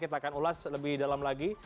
kita akan ulas lebih dalam lagi